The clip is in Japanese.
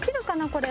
これ。